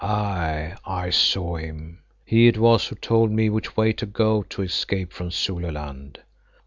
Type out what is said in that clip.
"Aye, I saw him. He it was who told me which way to go to escape from Zululand.